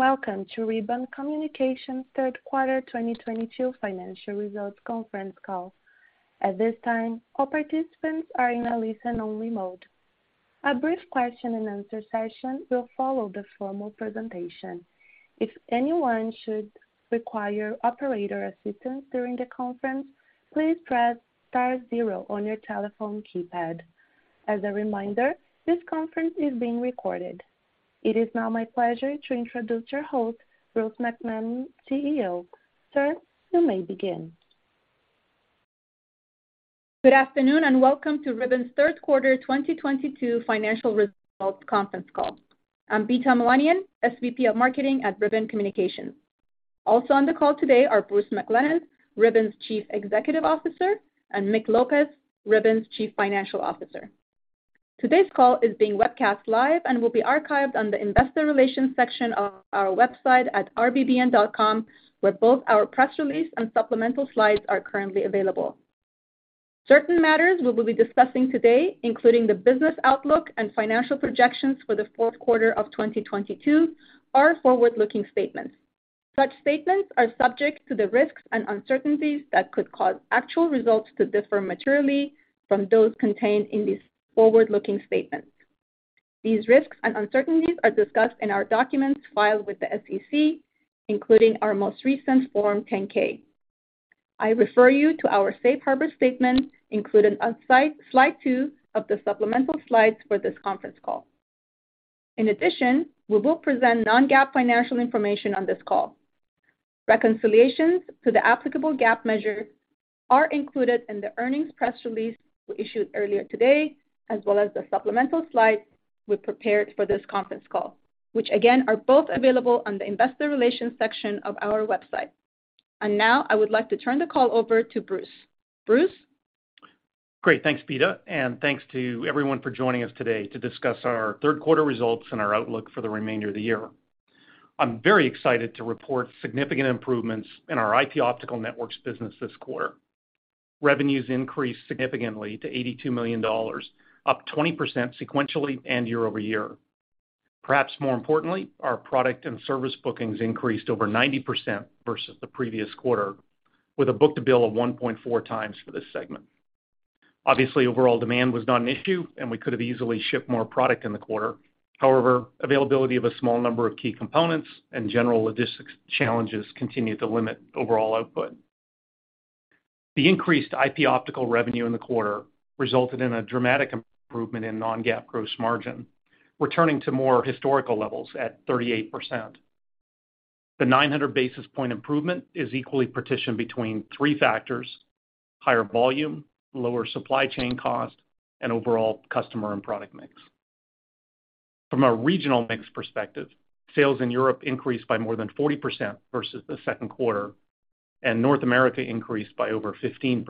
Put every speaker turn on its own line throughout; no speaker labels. Greetings, and welcome to Ribbon Communications third quarter 2022 financial results conference call. At this time, all participants are in a listen only mode. A brief question and answer session will follow the formal presentation. If anyone should require operator assistance during the conference, please press star zero on your telephone keypad. As a reminder, this conference is being recorded. It is now my pleasure to introduce your host, Bruce McClelland, CEO. Sir, you may begin.
Good afternoon, and welcome to Ribbon's third quarter 2022 financial results conference call. I'm Bita Milanian, SVP of Marketing at Ribbon Communications. Also on the call today are Bruce McClelland, Ribbon's Chief Executive Officer, and Mick Lopez, Ribbon's Chief Financial Officer. Today's call is being webcast live and will be archived on the investor relations section of our website at rbbn.com, where both our press release and supplemental slides are currently available. Certain matters we will be discussing today, including the business outlook and financial projections for the fourth quarter of 2022 are forward-looking statements. Such statements are subject to the risks and uncertainties that could cause actual results to differ materially from those contained in these forward-looking statements. These risks and uncertainties are discussed in our documents filed with the SEC, including our most recent Form 10-K. I refer you to our safe harbor statement included on slide 2 of the supplemental slides for this conference call. In addition, we will present non-GAAP financial information on this call. Reconciliations to the applicable GAAP measures are included in the earnings press release we issued earlier today, as well as the supplemental slides we prepared for this conference call, which again are both available on the investor relations section of our website. Now I would like to turn the call over to Bruce. Bruce.
Great. Thanks, Bita, and thanks to everyone for joining us today to discuss our third quarter results and our outlook for the remainder of the year. I'm very excited to report significant improvements in our IP Optical Networks business this quarter. Revenues increased significantly to $82 million, up 20% sequentially and year-over-year. Perhaps more importantly, our product and service bookings increased over 90% versus the previous quarter, with a book-to-bill of 1.4 times for this segment. Obviously, overall demand was not an issue, and we could have easily shipped more product in the quarter. However, availability of a small number of key components and general logistics challenges continued to limit overall output. The increased IP Optical revenue in the quarter resulted in a dramatic improvement in non-GAAP gross margin, returning to more historical levels at 38%. The 900 basis point improvement is equally partitioned between three factors, higher volume, lower supply chain cost, and overall customer and product mix. From a regional mix perspective, sales in Europe increased by more than 40% versus the second quarter, and North America increased by over 15%.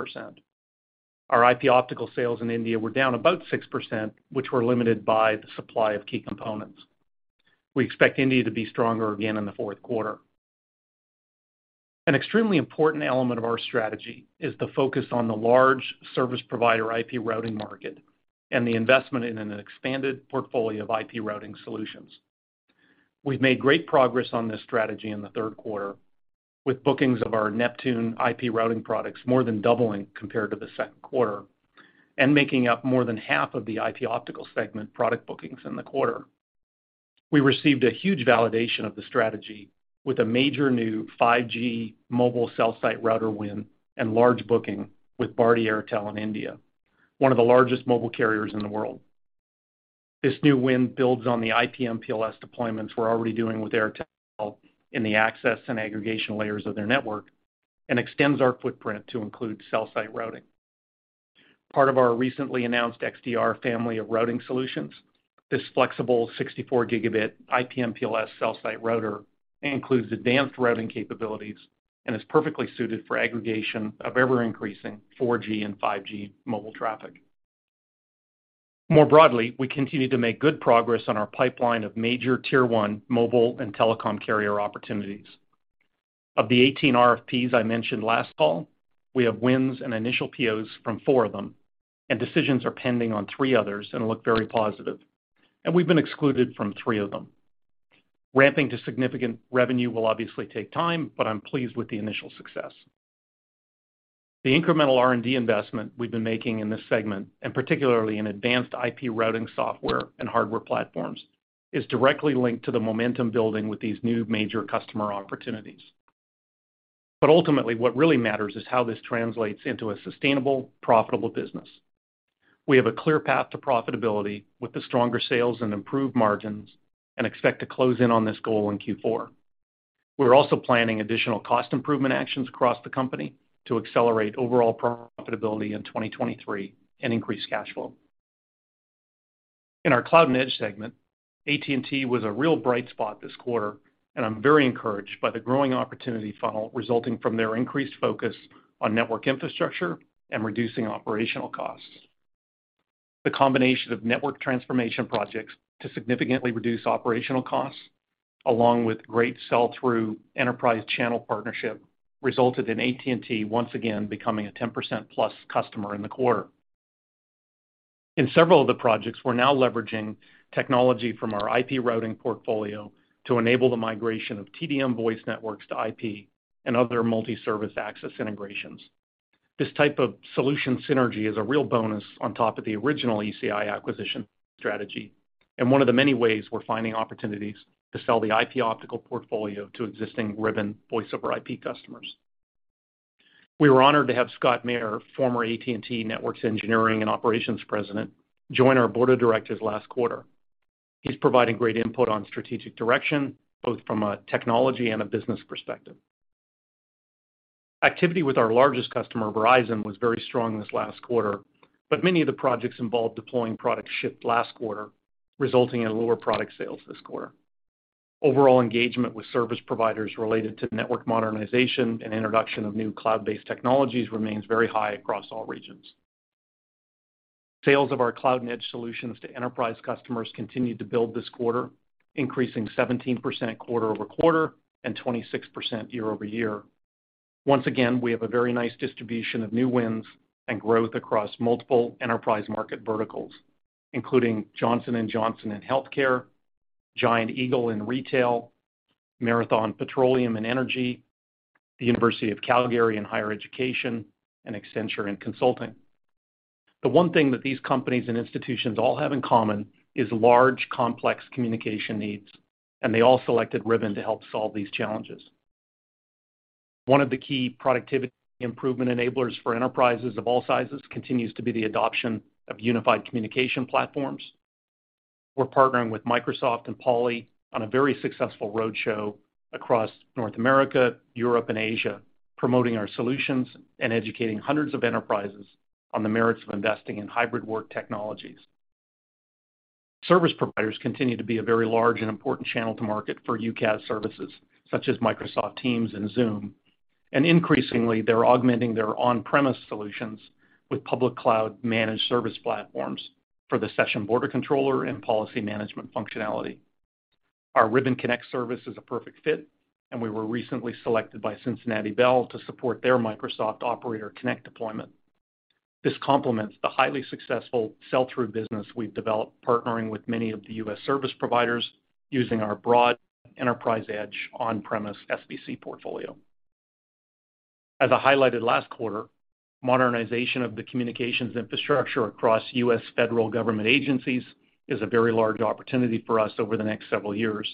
Our IP optical sales in India were down about 6%, which were limited by the supply of key components. We expect India to be stronger again in the fourth quarter. An extremely important element of our strategy is the focus on the large service provider IP routing market and the investment in an expanded portfolio of IP routing solutions. We've made great progress on this strategy in the third quarter, with bookings of our Neptune IP routing products more than doubling compared to the second quarter and making up more than half of the IP optical segment product bookings in the quarter. We received a huge validation of the strategy with a major new 5G mobile cell site router win and large booking with Bharti Airtel in India, one of the largest mobile carriers in the world. This new win builds on the IP MPLS deployments we're already doing with Airtel in the access and aggregation layers of their network and extends our footprint to include cell site routing. Part of our recently announced XDR family of routing solutions, this flexible 64 Gb IP MPLS cell site router includes advanced routing capabilities and is perfectly suited for aggregation of ever-increasing 4G and 5G mobile traffic. More broadly, we continue to make good progress on our pipeline of major tier one mobile and telecom carrier opportunities. Of the 18 RFPs I mentioned last call, we have wins and initial POs from four of them, and decisions are pending on three others and look very positive. We've been excluded from three of them. Ramping to significant revenue will obviously take time, but I'm pleased with the initial success. The incremental R&D investment we've been making in this segment, and particularly in advanced IP routing software and hardware platforms, is directly linked to the momentum building with these new major customer opportunities. Ultimately, what really matters is how this translates into a sustainable, profitable business. We have a clear path to profitability with the stronger sales and improved margins, and expect to close in on this goal in Q4. We're also planning additional cost improvement actions across the company to accelerate overall profitability in 2023 and increase cash flow. In our Cloud and Edge segment, AT&T was a real bright spot this quarter, and I'm very encouraged by the growing opportunity funnel resulting from their increased focus on network infrastructure and reducing operational costs. The combination of network transformation projects to significantly reduce operational costs, along with great sell-through enterprise channel partnership, resulted in AT&T once again becoming a 10% plus customer in the quarter. In several of the projects, we're now leveraging technology from our IP routing portfolio to enable the migration of TDM voice networks to IP and other multi-service access integrations. This type of solution synergy is a real bonus on top of the original ECI acquisition strategy and one of the many ways we're finding opportunities to sell the IP optical portfolio to existing Ribbon Voice over IP customers. We were honored to have Scott Mair, former AT&T Networks engineering and operations president, join our board of directors last quarter. He's providing great input on strategic direction, both from a technology and a business perspective. Activity with our largest customer, Verizon, was very strong this last quarter, but many of the projects involved deploying products shipped last quarter, resulting in lower product sales this quarter. Overall engagement with service providers related to network modernization and introduction of new cloud-based technologies remains very high across all regions. Sales of our Cloud and Edge solutions to enterprise customers continued to build this quarter, increasing 17% quarter-over-quarter and 26% year-over-year. Once again, we have a very nice distribution of new wins and growth across multiple enterprise market verticals, including Johnson & Johnson in healthcare, Giant Eagle in retail, Marathon Petroleum in energy, the University of Calgary in higher education, and Accenture in consulting. The one thing that these companies and institutions all have in common is large, complex communication needs, and they all selected Ribbon to help solve these challenges. One of the key productivity improvement enablers for enterprises of all sizes continues to be the adoption of unified communication platforms. We're partnering with Microsoft and Poly on a very successful roadshow across North America, Europe, and Asia, promoting our solutions and educating hundreds of enterprises on the merits of investing in hybrid work technologies. Service providers continue to be a very large and important channel to market for UCaaS services, such as Microsoft Teams and Zoom, and increasingly, they're augmenting their on-premise solutions with public cloud-managed service platforms for the session border controller and policy management functionality. Our Ribbon Connect service is a perfect fit, and we were recently selected by Cincinnati Bell to support their Microsoft Operator Connect deployment. This complements the highly successful sell-through business we've developed partnering with many of the US service providers using our broad enterprise edge on-premise SBC portfolio. As I highlighted last quarter, modernization of the communications infrastructure across US federal government agencies is a very large opportunity for us over the next several years.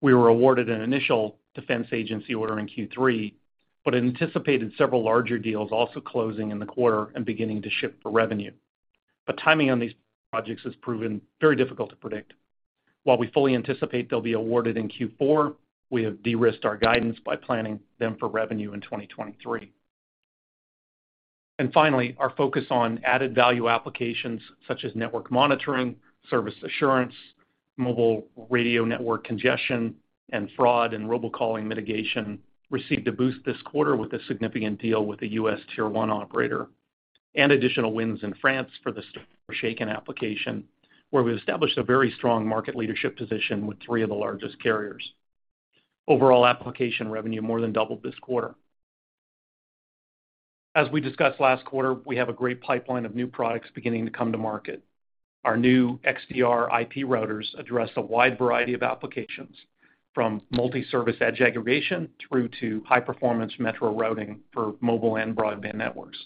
We were awarded an initial defense agency order in Q3, but anticipated several larger deals also closing in the quarter and beginning to ship for revenue. Timing on these projects has proven very difficult to predict. While we fully anticipate they'll be awarded in Q4, we have de-risked our guidance by planning them for revenue in 2023. Finally, our focus on added-value applications such as network monitoring, service assurance, mobile radio network congestion, and fraud and robocalling mitigation received a boost this quarter with a significant deal with the US tier one operator and additional wins in France for the application, where we established a very strong market leadership position with three of the largest carriers. Overall application revenue more than doubled this quarter. As we discussed last quarter, we have a great pipeline of new products beginning to come to market. Our new XTR IP routers address a wide variety of applications, from multi-service edge aggregation through to high-performance metro routing for mobile and broadband networks.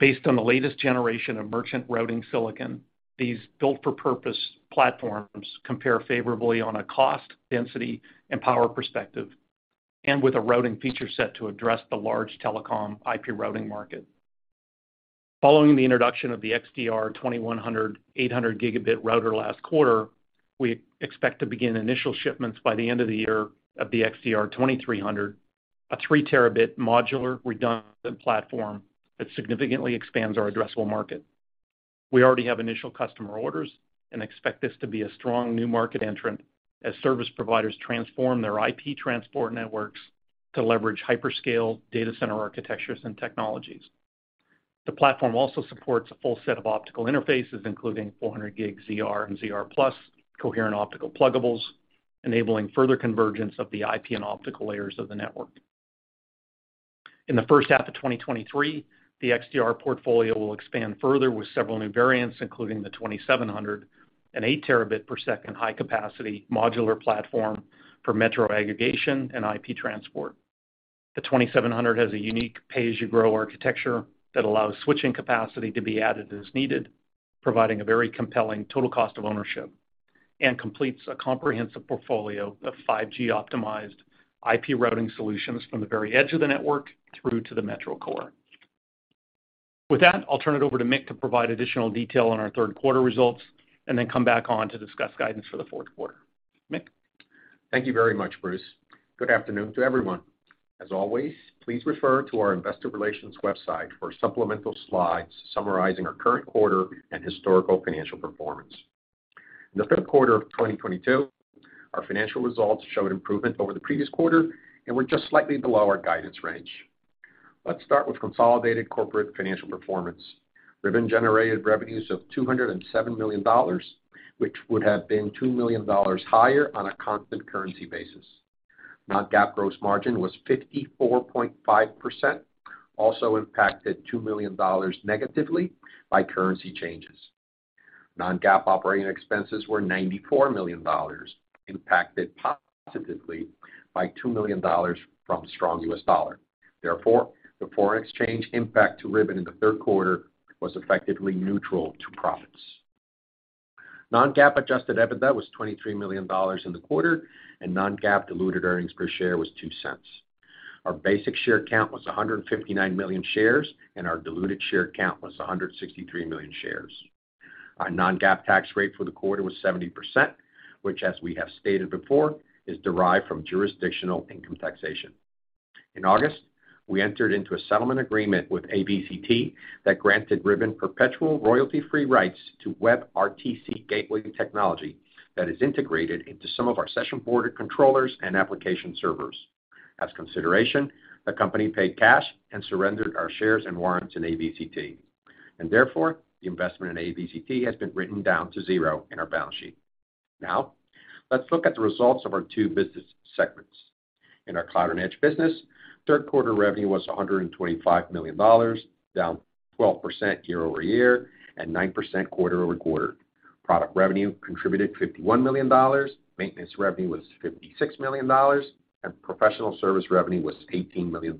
Based on the latest generation of merchant routing silicon, these built-for-purpose platforms compare favorably on a cost, density, and power perspective, and with a routing feature set to address the large telecom IP routing market. Following the introduction of the XTR 2100 800 Gb router last quarter, we expect to begin initial shipments by the end of the year of the XTR 2300, a 3 Tb modular redundant platform that significantly expands our addressable market. We already have initial customer orders and expect this to be a strong new market entrant as service providers transform their IP transport networks to leverage hyperscale data center architectures and technologies. The platform also supports a full set of optical interfaces, including 400G ZR and ZR+ coherent optical pluggables, enabling further convergence of the IP and optical layers of the network. In the first half of 2023, the XTR portfolio will expand further with several new variants, including the XTR 2700, an 8 Tb per second high-capacity modular platform for metro aggregation and IP transport. The XTR 2700 has a unique pay-as-you-grow architecture that allows switching capacity to be added as needed, providing a very compelling total cost of ownership, and completes a comprehensive portfolio of 5G optimized IP routing solutions from the very edge of the network through to the metro core. With that, I'll turn it over to Mick to provide additional detail on our third quarter results and then come back on to discuss guidance for the fourth quarter. Mick?
Thank you very much, Bruce. Good afternoon to everyone. As always, please refer to our investor relations website for supplemental slides summarizing our current quarter and historical financial performance. In the third quarter of 2022, our financial results showed improvement over the previous quarter and were just slightly below our guidance range. Let's start with consolidated corporate financial performance. Ribbon generated revenues of $207 million, which would have been $2 million higher on a constant currency basis. Non-GAAP gross margin was 54.5%, also impacted $2 million negatively by currency changes. Non-GAAP operating expenses were $94 million, impacted positively by $2 million from strong US dollar. Therefore, the foreign exchange impact to Ribbon in the third quarter was effectively neutral to profits. Non-GAAP adjusted EBITDA was $23 million in the quarter, and non-GAAP diluted earnings per share was $0.02. Our basic share count was 159,000,000 shares, and our diluted share count was 163,000,000 shares. Our non-GAAP tax rate for the quarter was 70%, which as we have stated before, is derived from jurisdictional income taxation. In August, we entered into a settlement agreement with American Virtual Cloud Technologies that granted Ribbon perpetual royalty-free rights to WebRTC gateway technology that is integrated into some of our session border controllers and application servers. As consideration, the company paid cash and surrendered our shares and warrants in American Virtual Cloud Technologies, and therefore, the investment in American Virtual Cloud Technologies has been written down to zero in our balance sheet. Now, let's look at the results of our two business segments. In our Cloud and Edge business, third quarter revenue was $125 million, down 12% year-over-year, and 9% quarter-over-quarter. Product revenue contributed $51 million, maintenance revenue was $56 million, and professional service revenue was $18 million.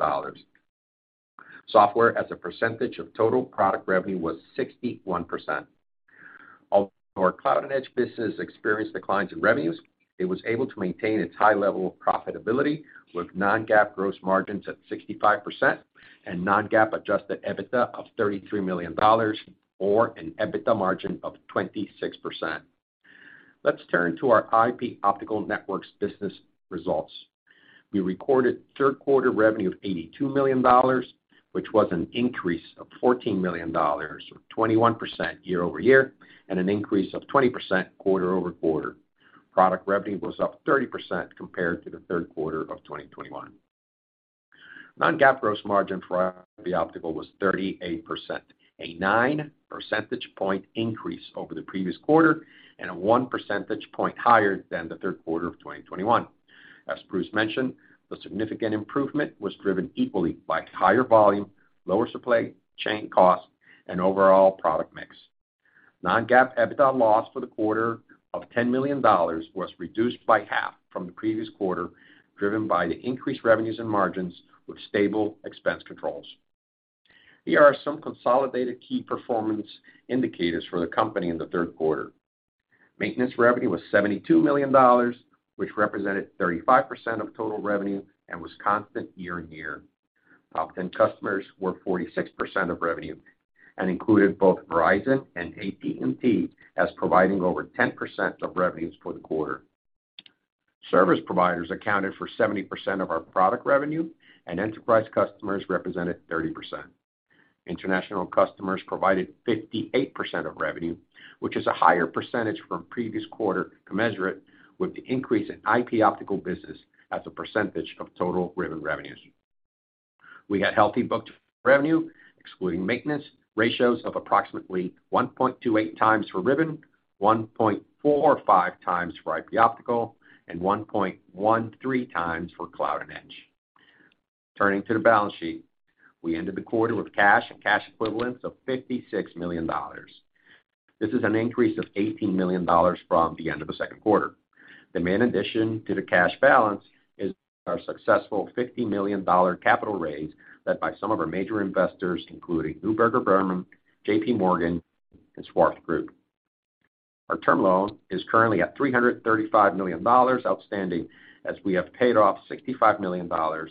Software as a percentage of total product revenue was 61%. Although our Cloud and Edge business experienced declines in revenues, it was able to maintain its high level of profitability with non-GAAP gross margins at 65% and non-GAAP adjusted EBITDA of $33 million or an EBITDA margin of 26%. Let's turn to our IP Optical Networks business results. We recorded third quarter revenue of $82 million, which was an increase of $14 million or 21% year-over-year, and an increase of 20% quarter-over-quarter. Product revenue was up 30% compared to the third quarter of 2021. Non-GAAP gross margin for IP Optical was 38%, a 9 percentage point increase over the previous quarter, and 1 percentage point higher than the third quarter of 2021. As Bruce mentioned, the significant improvement was driven equally by higher volume, lower supply chain costs, and overall product mix. Non-GAAP EBITDA loss for the quarter of $10 million was reduced by half from the previous quarter, driven by the increased revenues and margins with stable expense controls. Here are some consolidated key performance indicators for the company in the third quarter. Maintenance revenue was $72 million, which represented 35% of total revenue and was constant year-on-year. Top 10 customers were 46% of revenue and included both Verizon and AT&T as providing over 10% of revenues for the quarter. Service providers accounted for 70% of our product revenue, and enterprise customers represented 30%. International customers provided 58% of revenue, which is a higher percentage from previous quarter to measure it with the increase in IP Optical business as a percentage of total Ribbon revenues. We had healthy book-to-bill ratios, excluding maintenance, of approximately 1.28 times for Ribbon, 1.45 times for IP Optical, and 1.13 times for Cloud and Edge. Turning to the balance sheet. We ended the quarter with cash and cash equivalents of $56 million. This is an increase of $18 million from the end of the second quarter. The main addition to the cash balance is our successful $50 million capital raise led by some of our major investors, including Neuberger Berman, JPMorgan, and Swarthmore Group. Our term loan is currently at $335 million outstanding as we have paid off $65 million or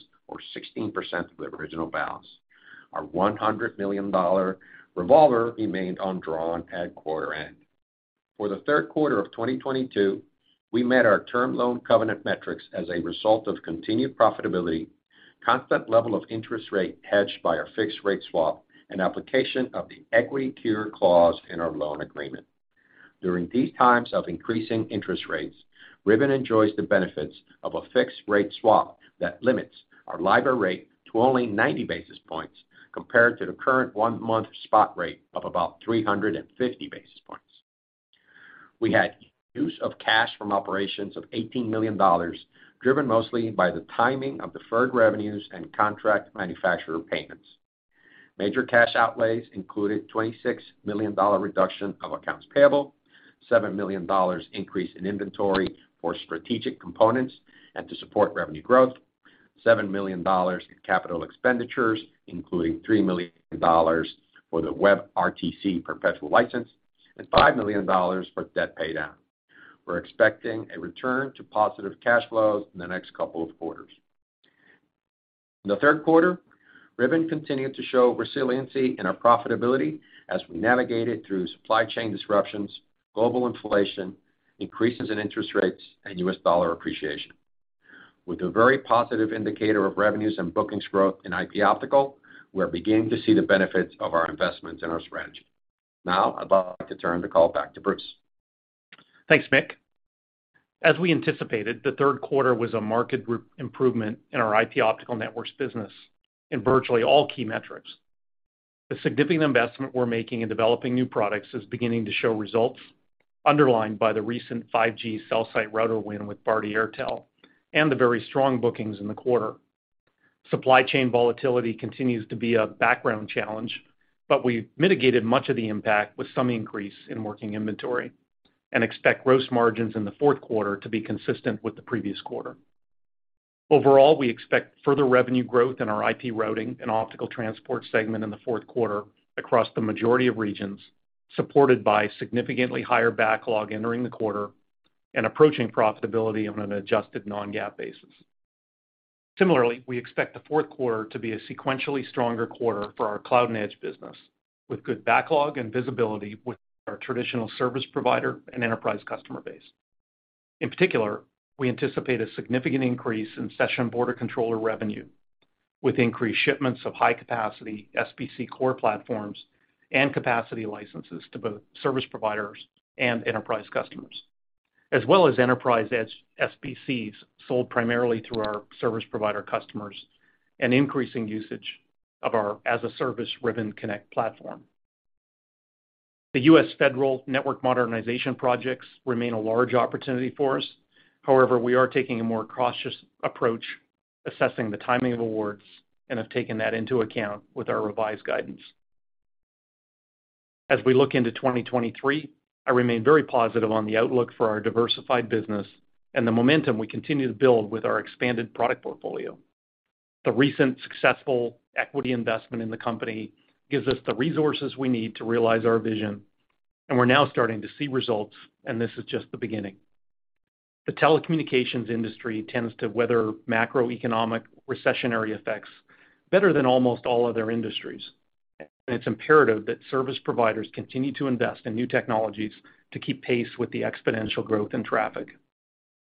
16% of the original balance. Our $100 million revolver remained undrawn at quarter end. For the third quarter of 2022, we met our term loan covenant metrics as a result of continued profitability, constant level of interest rate hedged by our fixed rate swap, and application of the equity cure clause in our loan agreement. During these times of increasing interest rates, Ribbon enjoys the benefits of a fixed rate swap that limits our LIBOR rate to only 90 basis points compared to the current one-month spot rate of about 350 basis points. We had use of cash from operations of $18 million, driven mostly by the timing of deferred revenues and contract manufacturer payments. Major cash outlays included $26 million reduction of accounts payable, $7 million increase in inventory for strategic components and to support revenue growth, $7 million in capital expenditures, including $3 million for the WebRTC perpetual license, and $5 million for debt paydown. We're expecting a return to positive cash flows in the next couple of quarters. In the third quarter, Ribbon continued to show resiliency in our profitability as we navigated through supply chain disruptions, global inflation, increases in interest rates, and US dollar appreciation. With a very positive indicator of revenues and bookings growth in IP Optical, we're beginning to see the benefits of our investments in our strategy. Now I'd like to turn the call back to Bruce.
Thanks, Mick. As we anticipated, the third quarter was a market improvement in our IP Optical Networks business in virtually all key metrics. The significant investment we're making in developing new products is beginning to show results underlined by the recent 5G cell site router win with Bharti Airtel and the very strong bookings in the quarter. Supply chain volatility continues to be a background challenge, but we've mitigated much of the impact with some increase in working inventory and expect gross margins in the fourth quarter to be consistent with the previous quarter. Overall, we expect further revenue growth in our IP routing and optical transport segment in the fourth quarter across the majority of regions, supported by significantly higher backlog entering the quarter and approaching profitability on an adjusted non-GAAP basis. Similarly, we expect the fourth quarter to be a sequentially stronger quarter for our Cloud and Edge business, with good backlog and visibility with our traditional service provider and enterprise customer base. In particular, we anticipate a significant increase in Session Border Controller revenue with increased shipments of high-capacity SBC core platforms and capacity licenses to both service provider and enterprise customers, as well as enterprise edge SBCs sold primarily through our service provider customers and increasing usage of our as-a-service Ribbon Connect platform. The U.S. federal network modernization projects remain a large opportunity for us. However, we are taking a more cautious approach assessing the timing of awards and have taken that into account with our revised guidance. As we look into 2023, I remain very positive on the outlook for our diversified business and the momentum we continue to build with our expanded product portfolio. The recent successful equity investment in the company gives us the resources we need to realize our vision, and we're now starting to see results, and this is just the beginning. The telecommunications industry tends to weather macroeconomic recessionary effects better than almost all other industries. It's imperative that service providers continue to invest in new technologies to keep pace with the exponential growth in traffic.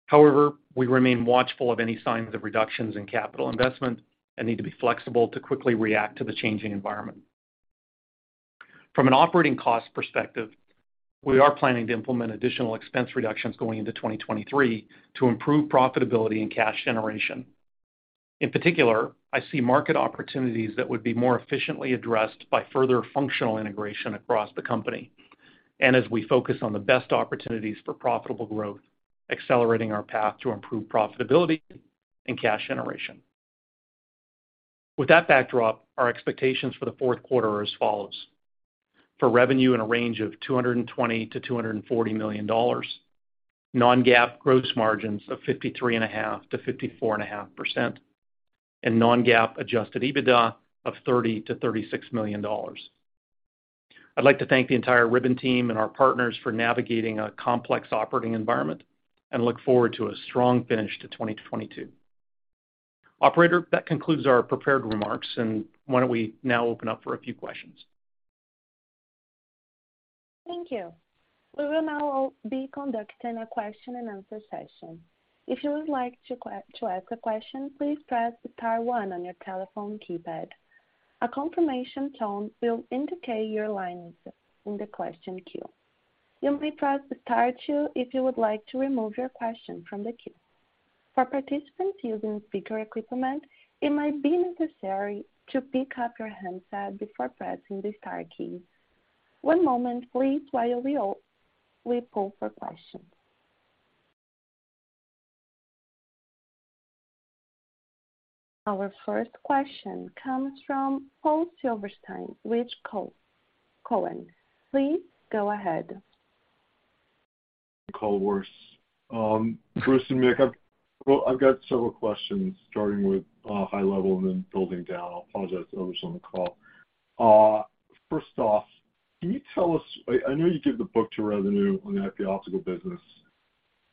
However, we remain watchful of any signs of reductions in capital investment and need to be flexible to quickly react to the changing environment. From an operating cost perspective, we are planning to implement additional expense reductions going into 2023 to improve profitability and cash generation. In particular, I see market opportunities that would be more efficiently addressed by further functional integration across the company and as we focus on the best opportunities for profitable growth, accelerating our path to improve profitability and cash generation. With that backdrop, our expectations for the fourth quarter are as follows. For revenue in a range of $220 million-$240 million, non-GAAP gross margins of 53.5%-54.5%, and non-GAAP adjusted EBITDA of $30 million-$36 million. I'd like to thank the entire Ribbon team and our partners for navigating a complex operating environment and look forward to a strong finish to 2022. Operator, that concludes our prepared remarks. Why don't we now open up for a few questions?
Thank you. We will now be conducting a question-and-answer session. If you would like to ask a question, please press star one on your telephone keypad. A confirmation tone will indicate your line is in the question queue. You may press star two if you would like to remove your question from the queue. For participants using speaker equipment, it might be necessary to pick up your handset before pressing the star keys. One moment please while we pull for questions. Our first question comes from Paul Silverstein with Cowen. Please go ahead.
Bruce and Mick, well, I've got several questions, starting with high level and then drilling down. Apologies to others on the call. First off, can you tell us, I know you give the book-to-bill on the IP Optical Networks business,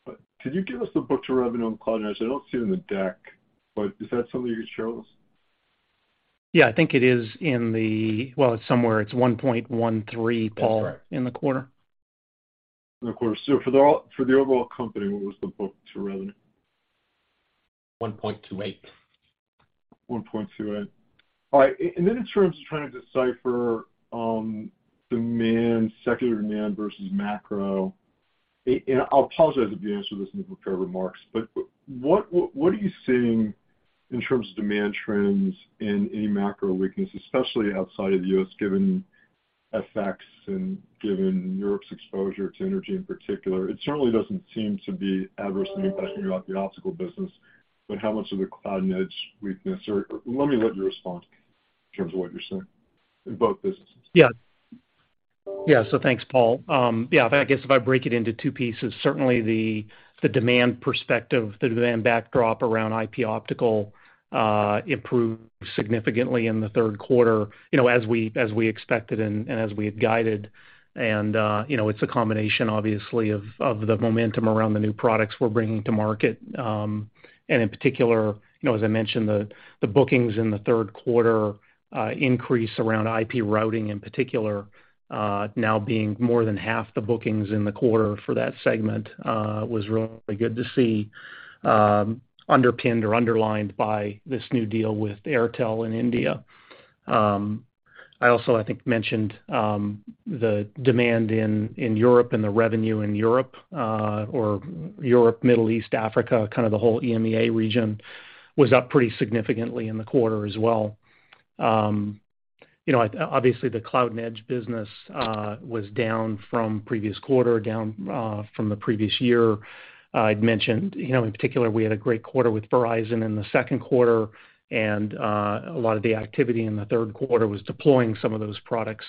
but could you give us the book-to-bill on the Cloud and Edge? I don't see it in the deck, but is that something you could show us?
Yeah, I think. Well, it's somewhere. It's 1.13, Paul.
That's right.
in the quarter.
In the quarter, for the overall company, what was the book-to-bill?
1.28.
1.28. All right. Then in terms of trying to decipher demand, secular demand versus macro, I'll apologize if you answered this in the prepared remarks, but what are you seeing in terms of demand trends and any macro weakness, especially outside of The U.S., given FX and given Europe's exposure to energy in particular? It certainly doesn't seem to be adversely impacting your optical business, but how much of the Cloud and Edge weakness. Let me let you respond in terms of what you're seeing in both businesses.
Thanks, Paul. I guess if I break it into two pieces, certainly the demand perspective, the demand backdrop around IP optical improved significantly in the third quarter, you know, as we expected and as we had guided. You know, it's a combination obviously of the momentum around the new products we're bringing to market. In particular, you know, as I mentioned, the bookings in the third quarter increase around IP routing in particular now being more than half the bookings in the quarter for that segment was really good to see, underpinned or underlined by this new deal with Airtel in India. I also think mentioned the demand in Europe and the revenue in Europe or Europe, Middle East, Africa, kind of the whole EMEA region was up pretty significantly in the quarter as well. You know, obviously the Cloud and Edge business was down from previous quarter, down from the previous year. I'd mentioned, you know, in particular, we had a great quarter with Verizon in the second quarter, and a lot of the activity in the third quarter was deploying some of those products.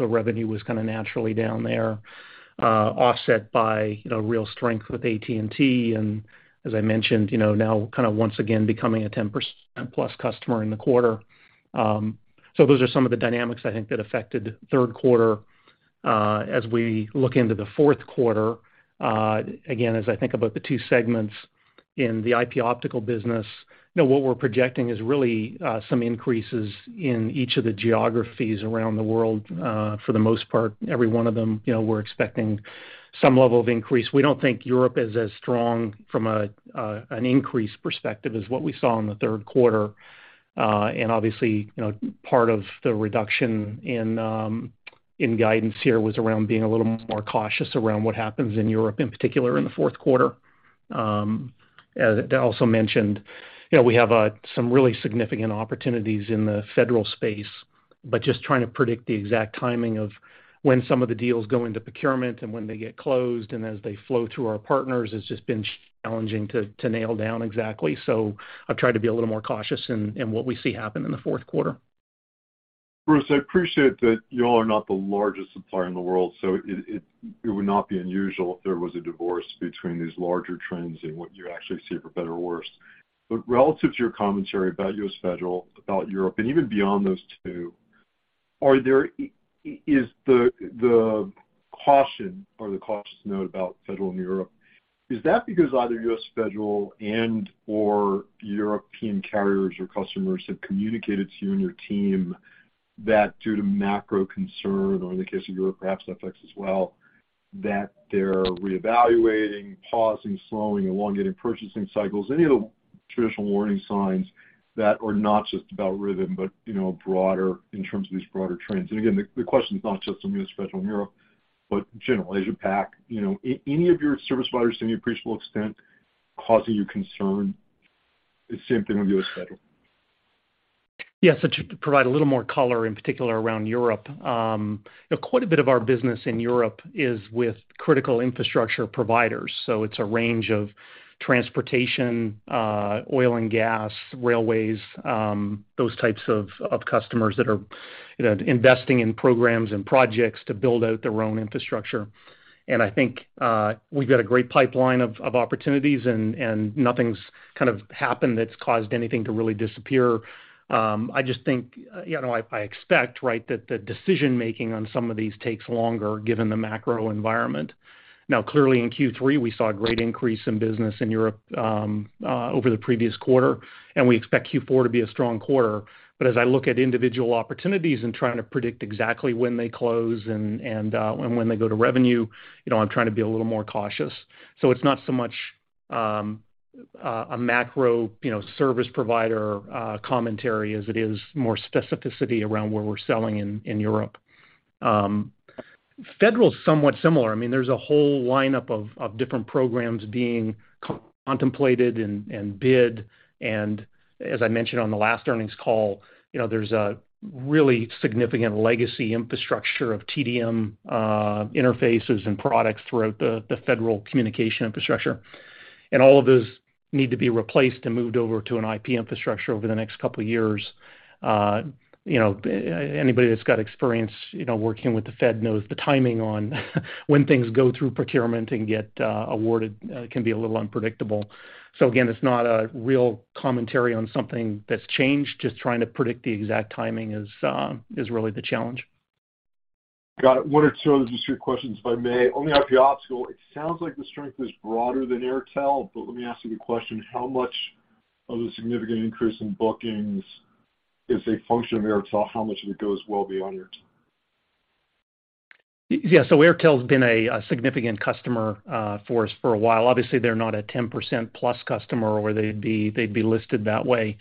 Revenue was kind of naturally down there, offset by, you know, real strength with AT&T. As I mentioned, you know, now kind of once again becoming a 10%+ customer in the quarter. Those are some of the dynamics I think that affected third quarter. As we look into the fourth quarter, again, as I think about the two segments in the IP optical business, you know, what we're projecting is really some increases in each of the geographies around the world, for the most part. Every one of them, you know, we're expecting some level of increase. We don't think Europe is as strong from an increase perspective as what we saw in the third quarter. Obviously, you know, part of the reduction in guidance here was around being a little more cautious around what happens in Europe, in particular, in the fourth quarter. As I also mentioned, you know, we have some really significant opportunities in the federal space, but just trying to predict the exact timing of when some of the deals go into procurement and when they get closed, and as they flow through our partners, it's just been challenging to nail down exactly. I've tried to be a little more cautious in what we see happen in the fourth quarter.
Bruce, I appreciate that y'all are not the largest supplier in the world, so it would not be unusual if there was a divorce between these larger trends and what you actually see for better or worse. Relative to your commentary about U.S. Federal, about Europe, and even beyond those two, is the caution or the cautious note about Federal and Europe, is that because either US Federal and/or European carriers or customers have communicated to you and your team that due to macro concern, or in the case of Europe, perhaps FX as well, that they're reevaluating, pausing, slowing, elongating purchasing cycles, any of the traditional warning signs that are not just about Ribbon, but, you know, broader in terms of these broader trends? Again, the question is not just on US Federal and Europe, but general Asia Pac. You know, any of your service providers to any appreciable extent causing you concern? The same thing with US Federal.
Yes. To provide a little more color, in particular around Europe. Quite a bit of our business in Europe is with critical infrastructure providers. It's a range of transportation, oil and gas, railways, those types of customers that are, you know, investing in programs and projects to build out their own infrastructure. I think, we've got a great pipeline of opportunities and nothing's kind of happened that's caused anything to really disappear. I just think, you know, I expect, right, that the decision-making on some of these takes longer given the macro environment. Now, clearly in Q3, we saw a great increase in business in Europe, over the previous quarter, and we expect Q4 to be a strong quarter. As I look at individual opportunities and trying to predict exactly when they close and when they go to revenue, you know, I'm trying to be a little more cautious. It's not so much a macro, you know, service provider commentary as it is more specificity around where we're selling in Europe. Federal is somewhat similar. I mean, there's a whole lineup of different programs being contemplated and bid. As I mentioned on the last earnings call, you know, there's a really significant legacy infrastructure of TDM interfaces and products throughout the federal communication infrastructure. All of those need to be replaced and moved over to an IP infrastructure over the next couple of years. You know, anybody that's got experience, you know, working with the Fed knows the timing on when things go through procurement and get awarded can be a little unpredictable. Again, it's not a real commentary on something that's changed. Just trying to predict the exact timing is really the challenge.
Got it. One or two other distinct questions, if I may. On the IP optical, it sounds like the strength is broader than Airtel, but let me ask you the question: How much of the significant increase in bookings is a function of Airtel? How much of it goes well beyond Airtel?
Yeah. Airtel's been a significant customer for us for a while. Obviously, they're not a 10% plus customer or they'd be listed that way.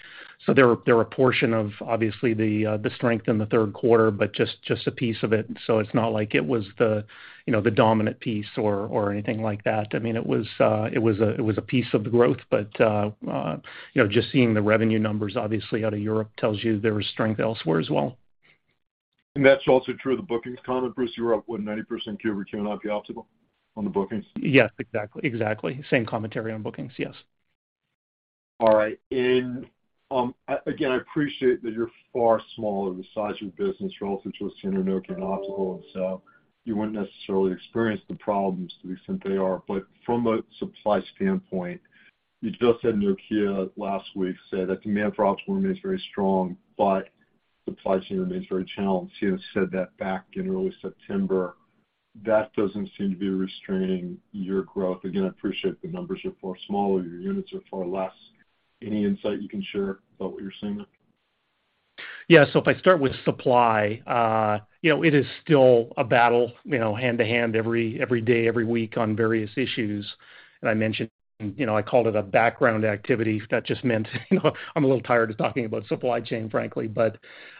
They're a portion of, obviously the strength in the third quarter, but just a piece of it. It's not like it was the, you know, the dominant piece or anything like that. I mean, it was a piece of the growth, but you know, just seeing the revenue numbers obviously out of Europe tells you there was strength elsewhere as well.
That's also true of the bookings comment, Bruce? You were up what, 90% quarter two on IP Optical on the bookings?
Yes, exactly. Same commentary on bookings. Yes.
All right. I appreciate that you're far smaller, the size of your business relative to a Ciena, Nokia, and optical. You wouldn't necessarily experience the problems to the extent they are. From a supply standpoint, you just said Nokia last week said that demand for optical remains very strong, but supply chain remains very challenged. Ciena said that back in early September. That doesn't seem to be restraining your growth. Again, I appreciate the numbers are far smaller, your units are far less. Any insight you can share about what you're seeing there?
If I start with supply, it is still a battle, hand to hand every day, every week on various issues. I mentioned, I called it a background activity. That just meant, I'm a little tired of talking about supply chain, frankly. There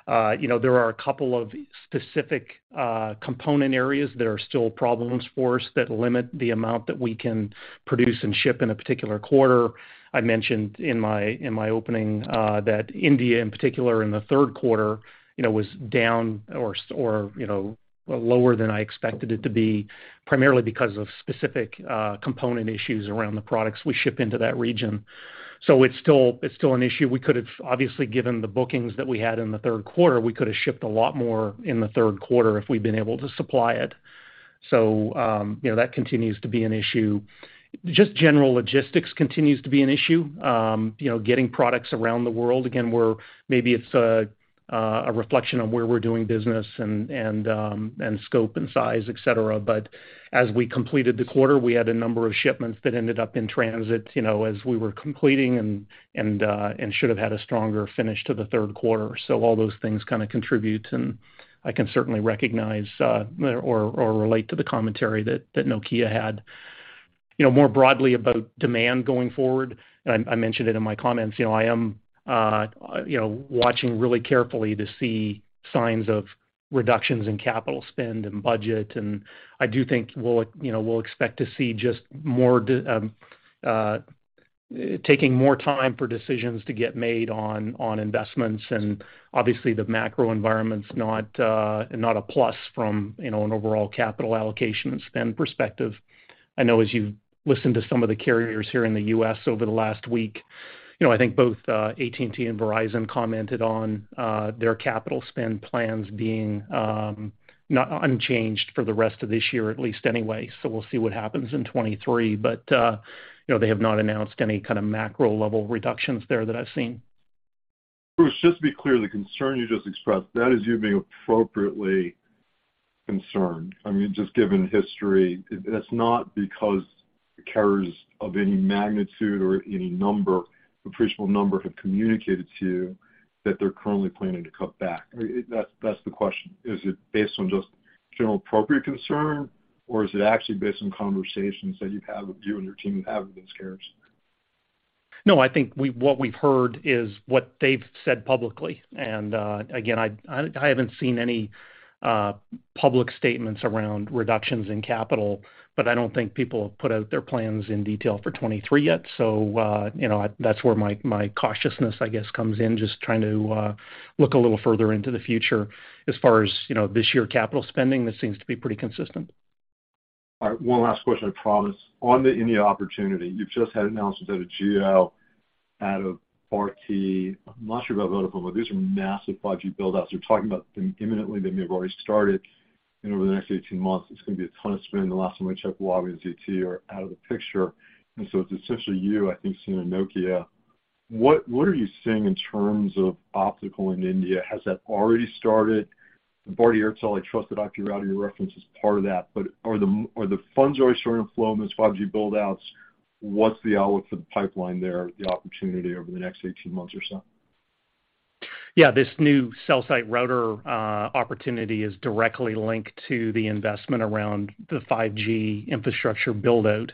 are a couple of specific component areas that are still problems for us that limit the amount that we can produce and ship in a particular quarter. I mentioned in my opening that India in particular in the third quarter was down or lower than I expected it to be, primarily because of specific component issues around the products we ship into that region. It's still an issue. We could have obviously, given the bookings that we had in the third quarter, we could have shipped a lot more in the third quarter if we'd been able to supply it. You know, that continues to be an issue. Just general logistics continues to be an issue. You know, getting products around the world, again, maybe it's a reflection on where we're doing business and scope and size, et cetera. As we completed the quarter, we had a number of shipments that ended up in transit, you know, as we were completing and should have had a stronger finish to the third quarter. All those things kinda contribute, and I can certainly recognize or relate to the commentary that Nokia had. You know, more broadly about demand going forward, and I mentioned it in my comments, you know, I am, you know, watching really carefully to see signs of reductions in capital spend and budget. I do think we'll, you know, we'll expect to see just more taking more time for decisions to get made on investments. Obviously the macro environment's not a plus from, you know, an overall capital allocation and spend perspective. I know as you've listened to some of the carriers here in The U.S. over the last week, you know, I think both, AT&T and Verizon commented on, their capital spend plans being, not unchanged for the rest of this year at least anyway. We'll see what happens in 2023. you know, they have not announced any kinda macro level reductions there that I've seen.
Bruce, just to be clear, the concern you just expressed, that is you being appropriately concerned. I mean, just given history, it's not because carriers of any magnitude or any number, appreciable number, have communicated to you that they're currently planning to cut back. That's the question. Is it based on just general appropriate concern, or is it actually based on conversations that you have, you and your team have had with these carriers?
No, I think what we've heard is what they've said publicly. Again, I haven't seen any public statements around reductions in capital, but I don't think people have put out their plans in detail for 2023 yet. You know, that's where my cautiousness, I guess, comes in, just trying to look a little further into the future. As far as, you know, this year capital spending, this seems to be pretty consistent.
All right. One last question, I promise. On the India opportunity, you've just had an announcement out of Jio, out of Bharti. I'm not sure about Vodafone, but these are massive 5G build-outs. We're talking about them imminently. They may have already started. Over the next 18 months, it's gonna be a ton of spend. The last time I checked, Huawei and ZTE are out of the picture. So it's essentially you, I think, seeing Nokia. What are you seeing in terms of optical in India? Has that already started? Bharti Airtel as part of that. But are the funds already starting to flow in these 5G build-outs? What's the outlook for the pipeline there, the opportunity over the next 18 months or so?
Yeah. This new cell site router opportunity is directly linked to the investment around the 5G infrastructure build-out.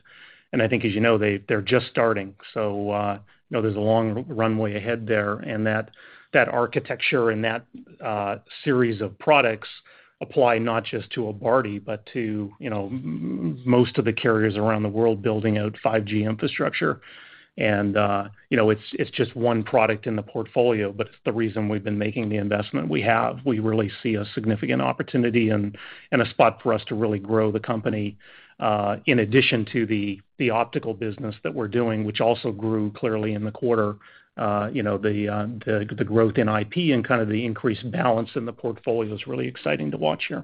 I think as you know, they're just starting. You know, there's a long runway ahead there. That architecture and that series of products apply not just to a Bharti, but to, you know, most of the carriers around the world building out 5G infrastructure. You know, it's just one product in the portfolio, but it's the reason we've been making the investment we have. We really see a significant opportunity and a spot for us to really grow the company in addition to the optical business that we're doing, which also grew clearly in the quarter. You know, the growth in IP and kind of the increased balance in the portfolio is really exciting to watch here.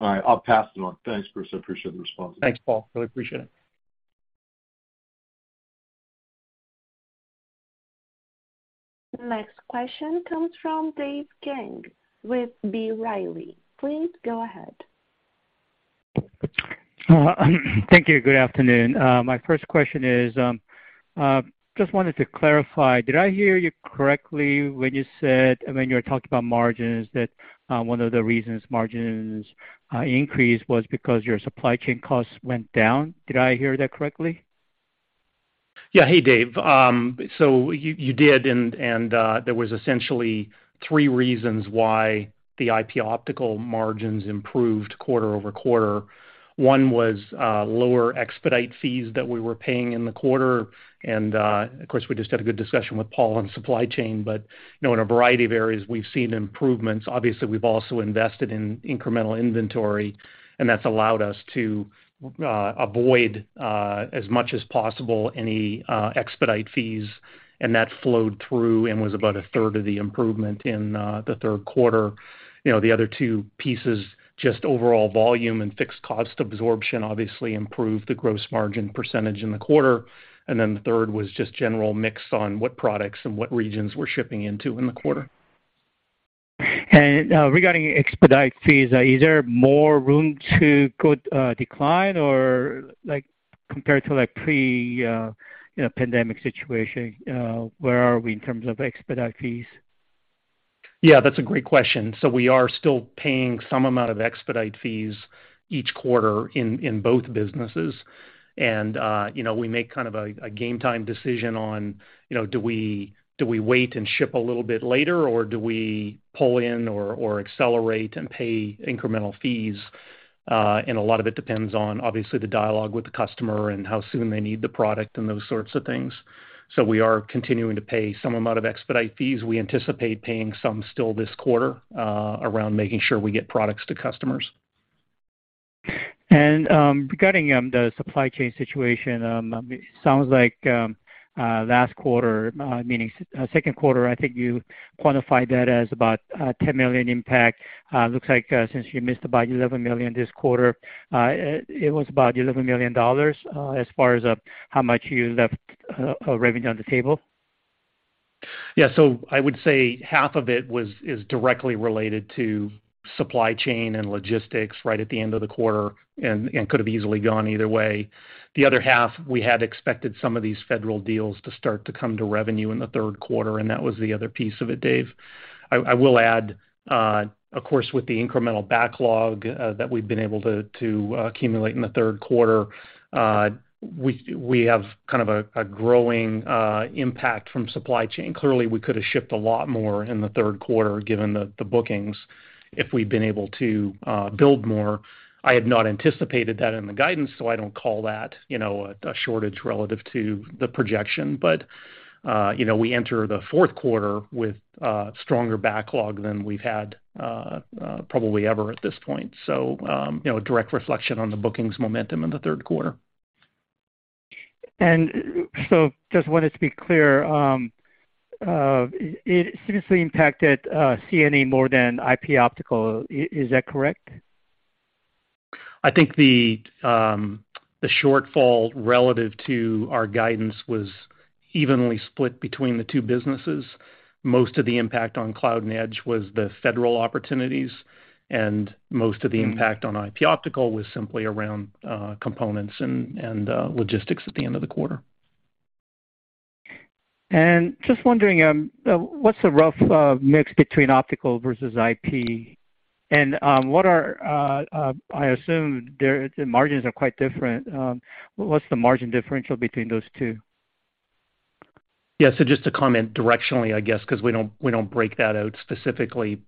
All right. I'll pass it on. Thanks, Bruce. I appreciate the response.
Thanks, Paul. Really appreciate it.
Next question comes from Dave Kang with B. Riley. Please go ahead.
Thank you. Good afternoon. My first question is, just wanted to clarify, did I hear you correctly when you said, when you talked about margins, that, one of the reasons margins increased was because your supply chain costs went down? Did I hear that correctly?
Yeah. Hey, Dave. You did. There was essentially three reasons why the IP Optical margins improved quarter-over-quarter. One was lower expedite fees that we were paying in the quarter. Of course, we just had a good discussion with Paul on supply chain. You know, in a variety of areas we've seen improvements. Obviously, we've also invested in incremental inventory, and that's allowed us to avoid as much as possible any expedite fees. That flowed through and was about a third of the improvement in the third quarter. You know, the other two pieces, just overall volume and fixed cost absorption obviously improved the gross margin percentage in the quarter. Then the third was just general mix on what products and what regions we're shipping into in the quarter.
Regarding expedite fees, is there more room to go, decline or like compared to like pre, you know, pandemic situation, where are we in terms of expedite fees?
Yeah, that's a great question. We are still paying some amount of expedite fees each quarter in both businesses. You know, we make kind of a game time decision on, you know, do we wait and ship a little bit later, or do we pull in or accelerate and pay incremental fees? A lot of it depends on obviously the dialogue with the customer and how soon they need the product and those sorts of things. We are continuing to pay some amount of expedite fees. We anticipate paying some still this quarter around making sure we get products to customers.
Regarding the supply chain situation, it sounds like last quarter, meaning second quarter, I think you quantified that as about $10 million impact. Looks like since you missed about $11 million this quarter, it was about $11 million as far as how much you left revenue on the table.
I would say half of it is directly related to supply chain and logistics right at the end of the quarter and could have easily gone either way. The other half, we had expected some of these federal deals to start to come to revenue in the third quarter, and that was the other piece of it, Dave. I will add, of course, with the incremental backlog that we've been able to accumulate in the third quarter, we have kind of a growing impact from supply chain. Clearly, we could have shipped a lot more in the third quarter given the bookings if we'd been able to build more. I had not anticipated that in the guidance, so I don't call that, you know, a shortage relative to the projection. You know, we enter the fourth quarter with stronger backlog than we've had probably ever at this point. You know, a direct reflection on the bookings momentum in the third quarter.
Just wanted to be clear, it seriously impacted CNE more than IP Optical. Is that correct?
I think the shortfall relative to our guidance was evenly split between the two businesses. Most of the impact on Cloud and Edge was the federal opportunities, and most of the impact on IP Optical was simply around components and logistics at the end of the quarter.
Just wondering, what's the rough mix between Optical versus IP? I assume the margins are quite different. What's the margin differential between those two?
Yeah. Just to comment directionally, I guess, 'cause we don't break that out specifically.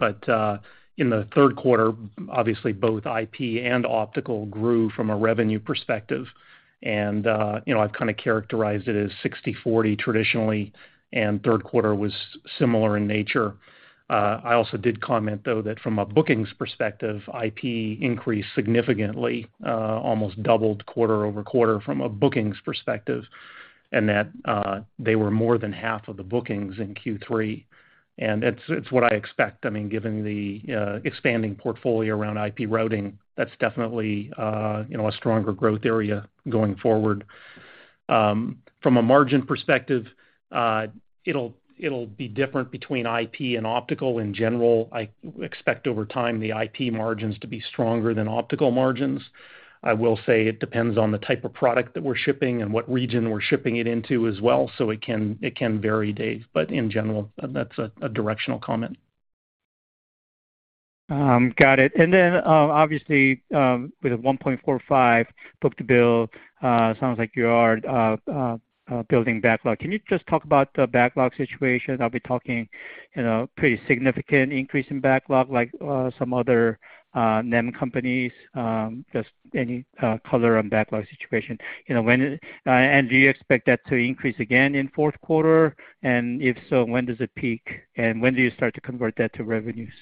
In the third quarter, obviously both IP and Optical grew from a revenue perspective. You know, I've kinda characterized it as 60/40 traditionally, and third quarter was similar in nature. I also did comment, though, that from a bookings perspective, IP increased significantly, almost doubled quarter-over-quarter from a bookings perspective, and that they were more than half of the bookings in Q3. It's what I expect. I mean, given the expanding portfolio around IP routing, that's definitely, you know, a stronger growth area going forward. From a margin perspective, it'll be different between IP and Optical in general. I expect over time the IP margins to be stronger than Optical margins. I will say it depends on the type of product that we're shipping and what region we're shipping it into as well, so it can vary, Dave. In general, that's a directional comment.
Got it. Obviously, with a 1.45 book-to-bill, sounds like you are building backlog. Can you just talk about the backlog situation? We're seeing, you know, pretty significant increase in backlog like some other NEM companies, just any color on backlog situation. Do you expect that to increase again in fourth quarter? If so, when does it peak? When do you start to convert that to revenues?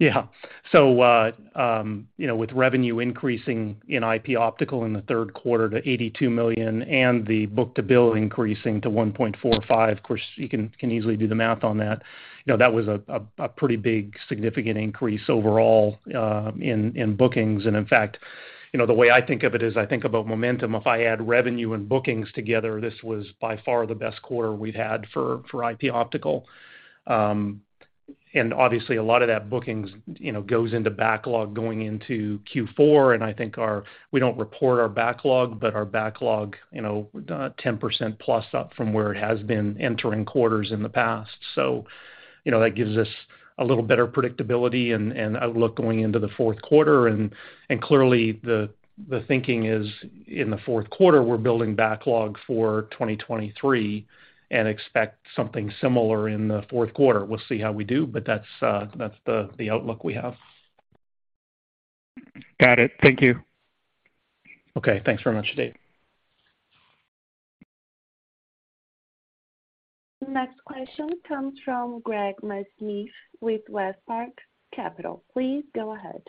Yeah. You know, with revenue increasing in IP Optical in the third quarter to $82 million and the book-to-bill increasing to 1.45, of course, you can easily do the math on that. You know, that was a pretty big significant increase overall in bookings. In fact, you know, the way I think of it is I think about momentum. If I add revenue and bookings together, this was by far the best quarter we've had for IP Optical. Obviously a lot of that bookings goes into backlog going into Q4, and I think we don't report our backlog, but our backlog, you know, 10%+ up from where it has been entering quarters in the past. You know, that gives us a little better predictability and outlook going into the fourth quarter. Clearly the thinking is in the fourth quarter, we're building backlog for 2023 and expect something similar in the fourth quarter. We'll see how we do, but that's the outlook we have.
Got it. Thank you.
Okay. Thanks very much, Dave.
Next question comes from Greg Mesniaeff with WestPark Capital. Please go ahead.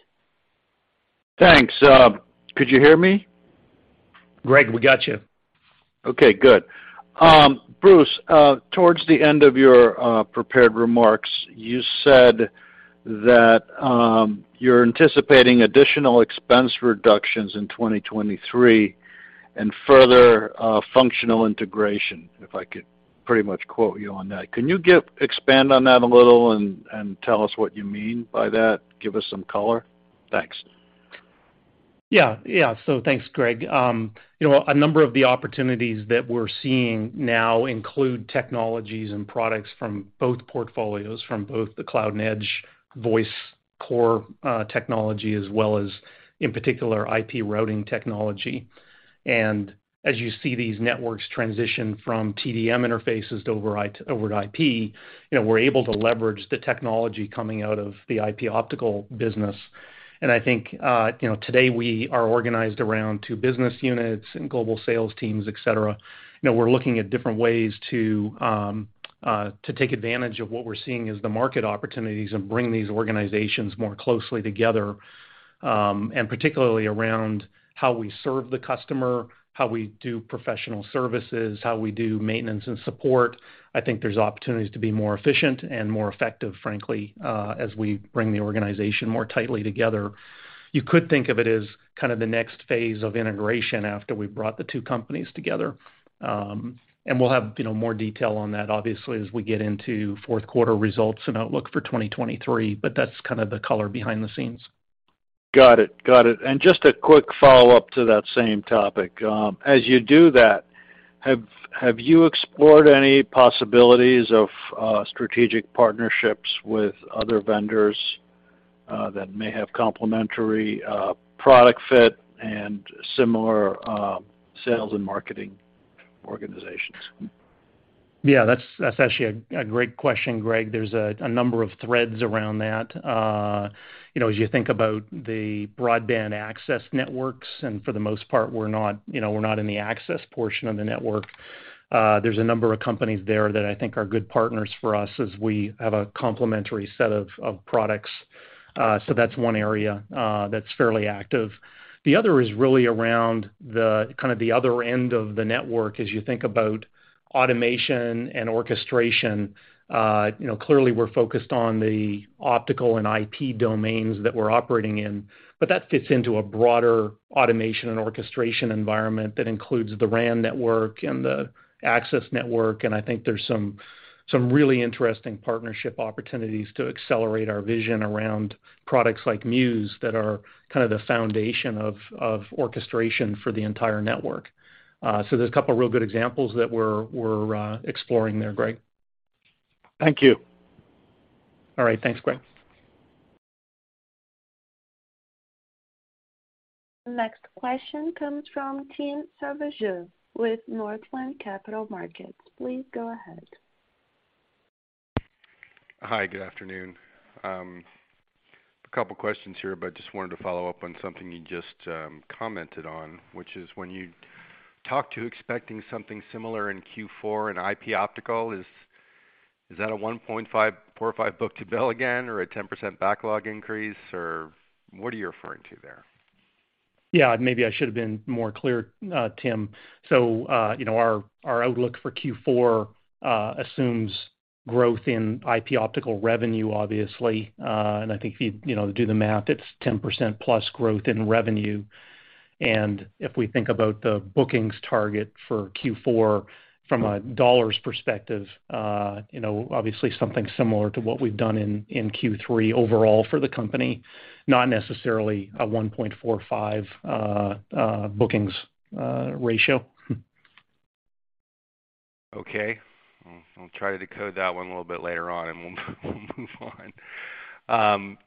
Thanks. Could you hear me?
Greg, we got you.
Okay, good. Bruce, towards the end of your prepared remarks, you said that you're anticipating additional expense reductions in 2023 and further functional integration, if I could pretty much quote you on that. Can you expand on that a little and tell us what you mean by that? Give us some color. Thanks.
Yeah. Thanks, Greg. You know, a number of the opportunities that we're seeing now include technologies and products from both portfolios, from both the cloud and edge voice core technology, as well as, in particular, IP routing technology. As you see these networks transition from TDM interfaces to over to IP, you know, we're able to leverage the technology coming out of the IP optical business. I think, you know, today we are organized around two business units and global sales teams, et cetera. You know, we're looking at different ways to take advantage of what we're seeing as the market opportunities and bring these organizations more closely together, and particularly around how we serve the customer, how we do professional services, how we do maintenance and support. I think there's opportunities to be more efficient and more effective, frankly, as we bring the organization more tightly together. You could think of it as kind of the next phase of integration after we brought the two companies together. We'll have, you know, more detail on that obviously as we get into fourth quarter results and outlook for 2023, but that's kind of the color behind the scenes.
Got it. Just a quick follow-up to that same topic. As you do that, have you explored any possibilities of strategic partnerships with other vendors that may have complementary product fit and similar sales and marketing organizations?
Yeah, that's actually a great question, Greg. There's a number of threads around that. You know, as you think about the broadband access networks, and for the most part, we're not, you know, we're not in the access portion of the network. There's a number of companies there that I think are good partners for us as we have a complementary set of products. That's one area that's fairly active. The other is really around the other end of the network as you think about automation and orchestration. You know, clearly we're focused on the optical and IP domains that we're operating in, but that fits into a broader automation and orchestration environment that includes the RAN network and the access network. I think there's some really interesting partnership opportunities to accelerate our vision around products like Muse that are kind of the foundation of orchestration for the entire network. There's a couple of real good examples that we're exploring there, Greg.
Thank you.
All right. Thanks, Greg.
The next question comes from Tim Savageaux with Northland Capital Markets. Please go ahead.
Hi, good afternoon. A couple questions here, but just wanted to follow up on something you just commented on, which is when you talk about expecting something similar in Q4 in IP optical, is that a 1.545 book-to-bill again or a 10% backlog increase, or what are you referring to there?
Yeah, maybe I should have been more clear, Tim. You know, our outlook for Q4 assumes growth in IP optical revenue, obviously. I think if you know, do the math, it's 10%+ growth in revenue. If we think about the bookings target for Q4 from a dollars perspective, you know, obviously something similar to what we've done in Q3 overall for the company, not necessarily a 1.45 bookings ratio.
Okay. I'll try to decode that one a little bit later on, and we'll move on.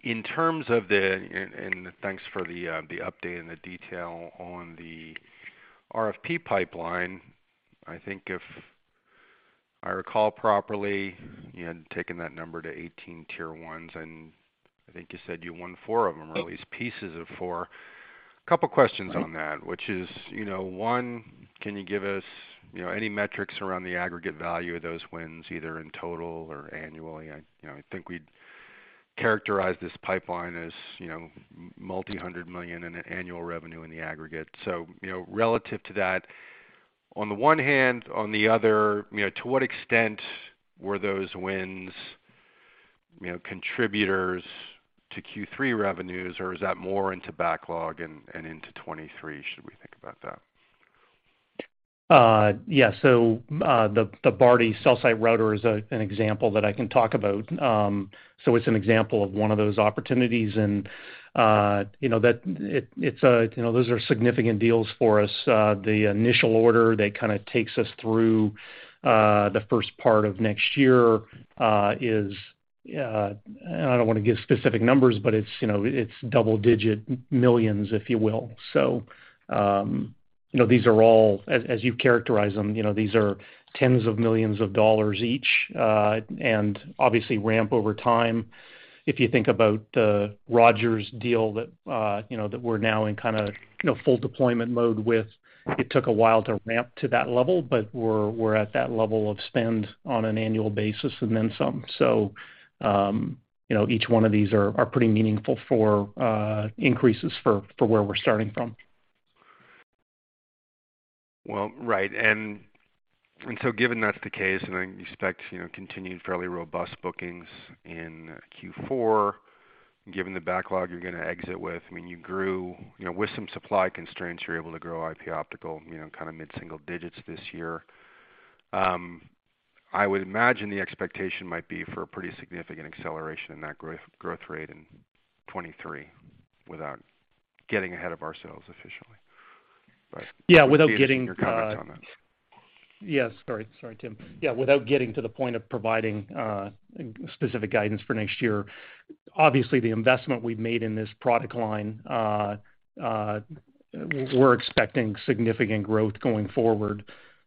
In terms of and thanks for the update and the detail on the RFP pipeline. I think if I recall properly, you had taken that number to 18 Tier 1s, and I think you said you won four of them, or at least pieces of four. Couple questions on that, which is, you know, one, can you give us, you know, any metrics around the aggregate value of those wins, either in total or annually. You know, I think we'd characterize this pipeline as, you know, multi-hundred million in annual revenue in the aggregate. You know, relative to that, on the one hand, on the other, you know, to what extent were those wins, you know, contributors to Q3 revenues, or is that more into backlog and into 2023, should we think about that?
The Bharti cell site router is an example that I can talk about. It's an example of one of those opportunities. You know, those are significant deals for us. The initial order that kind of takes us through the first part of next year is, and I don't wanna give specific numbers, but you know, it's double-digit millions, if you will. You know, these are all, as you characterize them, you know, these are tens of millions of dollars each, and obviously ramp over time. If you think about the Rogers deal that you know that we're now in kinda you know full deployment mode with, it took a while to ramp to that level, but we're at that level of spend on an annual basis and then some. You know, each one of these are pretty meaningful for increases for where we're starting from.
Well, right. Given that's the case, and I expect, you know, continued fairly robust bookings in Q4, given the backlog you're gonna exit with, I mean, you grew, you know, with some supply constraints, you're able to grow IP optical, you know, kind of mid-single digits this year. I would imagine the expectation might be for a pretty significant acceleration in that growth rate in 2023, without getting ahead of ourselves officially.
Yeah, without getting,
I'm curious to hear your comments on this.
Yes. Sorry, Tim. Yeah, without getting to the point of providing specific guidance for next year, obviously the investment we've made in this product line, we're expecting significant growth going forward.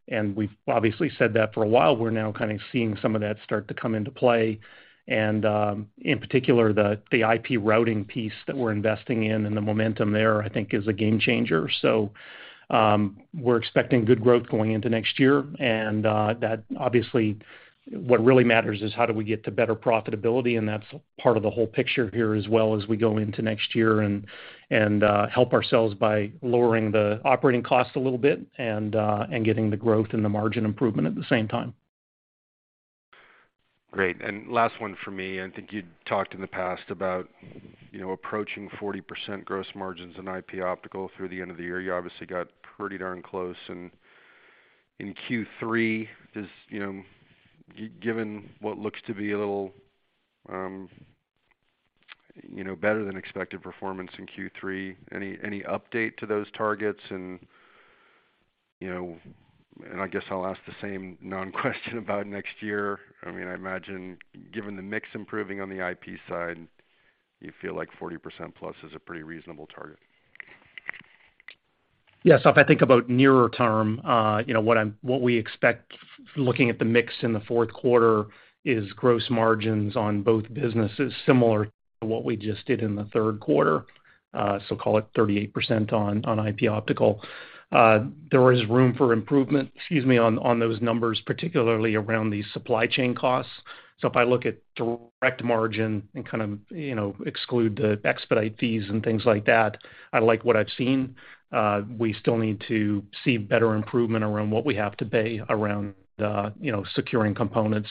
We've obviously said that for a while. We're now kind of seeing some of that start to come into play. In particular, the IP routing piece that we're investing in and the momentum there, I think is a game changer. We're expecting good growth going into next year. That obviously what really matters is how do we get to better profitability, and that's part of the whole picture here as well as we go into next year and help ourselves by lowering the operating cost a little bit and getting the growth and the margin improvement at the same time.
Great. Last one for me. I think you talked in the past about, you know, approaching 40% gross margins in IP optical through the end of the year. You obviously got pretty darn close. In Q3, just, you know, given what looks to be a little, you know, better than expected performance in Q3, any update to those targets? You know, and I guess I'll ask the same non-question about next year. I mean, I imagine given the mix improving on the IP side, you feel like 40%+ is a pretty reasonable target.
Yes. If I think about nearer term, you know, what we expect looking at the mix in the fourth quarter is gross margins on both businesses similar to what we just did in the third quarter, so call it 38% on IP Optical. There is room for improvement, excuse me, on those numbers, particularly around the supply chain costs. If I look at direct margin and kind of, you know, exclude the expedite fees and things like that, I like what I've seen. We still need to see better improvement around what we have to pay around, you know, securing components.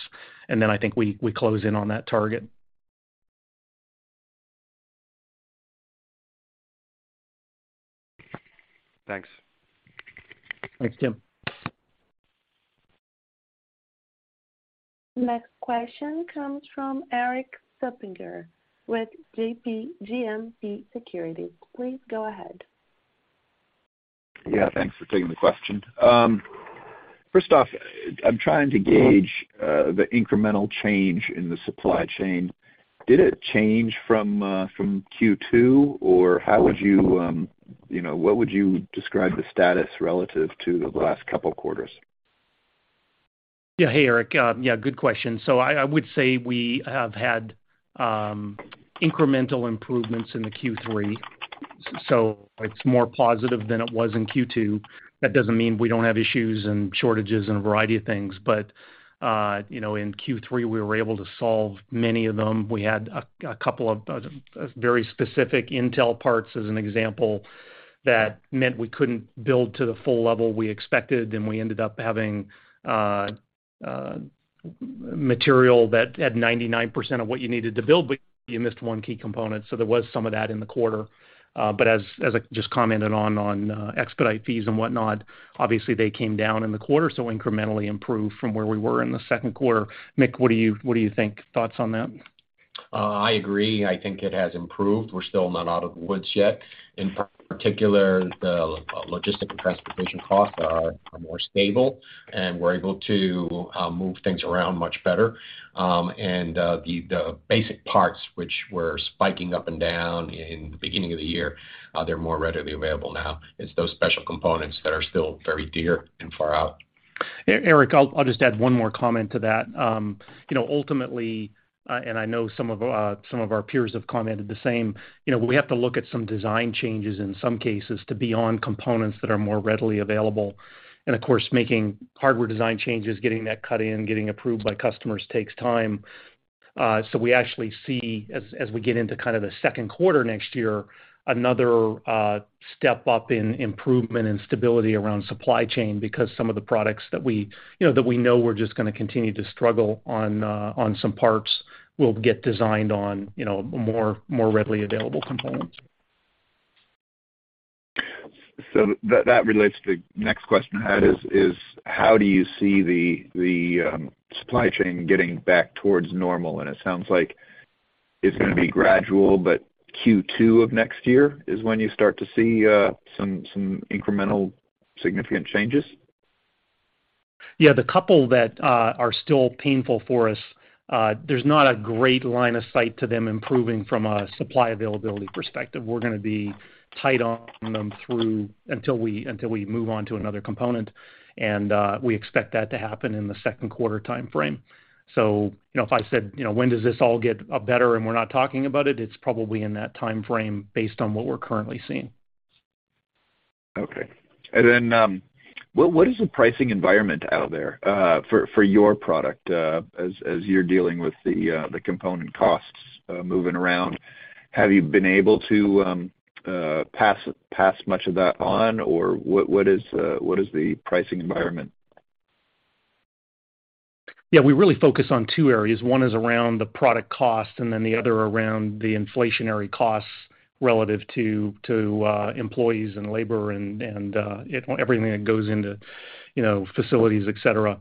Then I think we close in on that target.
Thanks.
Thanks, Tim.
Next question comes from Erik Suppiger with JMP Securities. Please go ahead.
Yeah, thanks for taking the question. First off, I'm trying to gauge the incremental change in the supply chain. Did it change from Q2, or how would you know, what would you describe the status relative to the last couple quarters?
Yeah. Hey, Erik. Yeah, good question. I would say we have had incremental improvements in the Q3, so it's more positive than it was in Q2. That doesn't mean we don't have issues and shortages and a variety of things. You know, in Q3, we were able to solve many of them. We had a couple of very specific Intel parts as an example that meant we couldn't build to the full level we expected, and we ended up having material that had 99% of what you needed to build, but you missed one key component. So there was some of that in the quarter. As I just commented on expedite fees and whatnot, obviously they came down in the quarter, so incrementally improved from where we were in the second quarter. Mick, what do you think? Thoughts on that?
I agree. I think it has improved. We're still not out of the woods yet. In particular, the logistics and transportation costs are more stable, and we're able to move things around much better. The basic parts which were spiking up and down in the beginning of the year, they're more readily available now. It's those special components that are still very dear and far out.
Erik, I'll just add one more comment to that. You know, ultimately, and I know some of our peers have commented the same, you know, we have to look at some design changes in some cases to be on components that are more readily available. Of course, making hardware design changes, getting that cut in, getting approved by customers takes time. We actually see as we get into kind of the second quarter next year, another step up in improvement and stability around supply chain because some of the products that we, you know, that we know we're just gonna continue to struggle on some parts will get designed on, you know, more readily available components.
That relates to the next question I had is how do you see the supply chain getting back towards normal? It sounds like it's gonna be gradual, but Q2 of next year is when you start to see some incremental significant changes.
Yeah. The couple that are still painful for us, there's not a great line of sight to them improving from a supply availability perspective. We're gonna be tight on them through until we move on to another component, and we expect that to happen in the second quarter timeframe. You know, if I said, you know, when does this all get better and we're not talking about it's probably in that timeframe based on what we're currently seeing.
Okay. What is the pricing environment out there for your product as you're dealing with the component costs moving around? Have you been able to pass much of that on? Or what is the pricing environment?
Yeah, we really focus on two areas. One is around the product cost, and then the other around the inflationary costs relative to employees and labor and everything that goes into, you know, facilities, et cetera.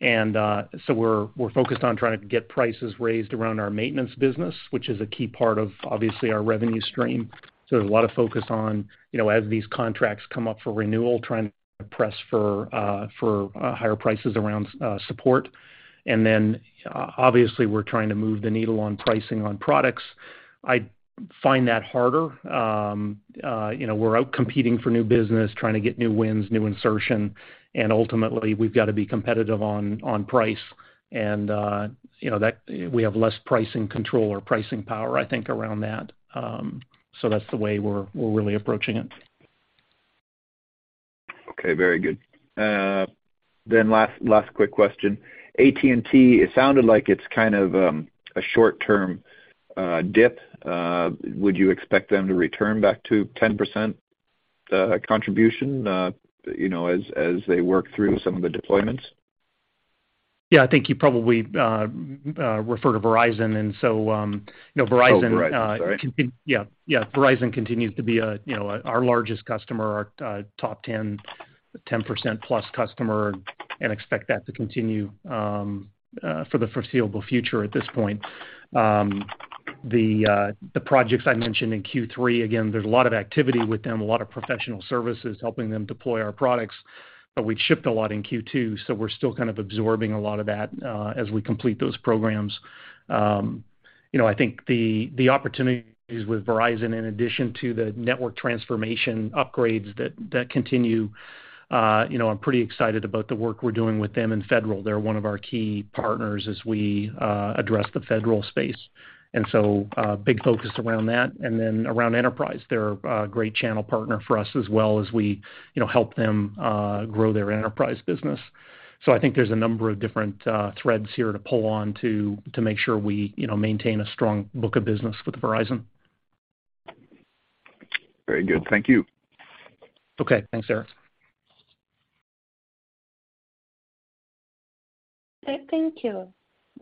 We're focused on trying to get prices raised around our maintenance business, which is a key part of obviously our revenue stream. There's a lot of focus on, you know, as these contracts come up for renewal, trying to press for higher prices around support. Obviously, we're trying to move the needle on pricing on products. I find that harder. You know, we're out competing for new business, trying to get new wins, new insertion, and ultimately we've got to be competitive on price and, you know, that we have less pricing control or pricing power, I think, around that. That's the way we're really approaching it.
Okay, very good. Last quick question. AT&T, it sounded like it's kind of a short-term dip. Would you expect them to return back to 10% contribution, you know, as they work through some of the deployments?
Yeah, I think you probably refer to Verizon, and so, you know, Verizon.
Oh, Verizon. Sorry.
Yeah, yeah. Verizon continues to be, you know, our largest customer, our top 10%+ customer, and expect that to continue for the foreseeable future at this point. The projects I mentioned in Q3, again, there's a lot of activity with them, a lot of professional services helping them deploy our products. We'd shipped a lot in Q2, so we're still kind of absorbing a lot of that as we complete those programs. You know, I think the opportunities with Verizon, in addition to the network transformation upgrades that continue, you know, I'm pretty excited about the work we're doing with them in federal. They're one of our key partners as we address the federal space. Big focus around that. Around enterprise, they're a great channel partner for us as well as we, you know, help them grow their enterprise business. I think there's a number of different threads here to pull on to make sure we, you know, maintain a strong book of business with Verizon.
Very good. Thank you.
Okay. Thanks, Erik.
Thank you.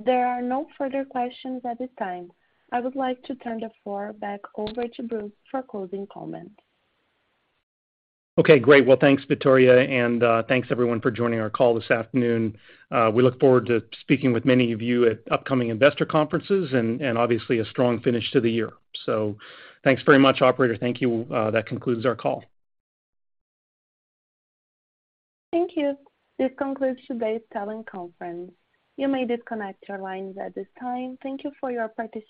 There are no further questions at this time. I would like to turn the floor back over to Bruce for closing comments.
Okay, great. Well, thanks, Victoria. Thanks, everyone, for joining our call this afternoon. We look forward to speaking with many of you at upcoming investor conferences and obviously a strong finish to the year. Thanks very much. Operator, thank you. That concludes our call.
Thank you. This concludes today's teleconference. You may disconnect your lines at this time. Thank you for your participation.